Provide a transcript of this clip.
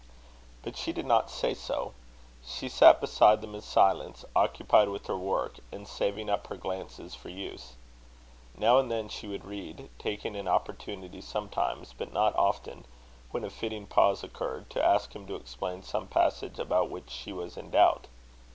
But she did not say so. She sat beside them in silence, occupied with her work, and saving up her glances for use. Now and then she would read; taking an opportunity sometimes, but not often, when a fitting pause occurred, to ask him to explain some passage about which she was in doubt.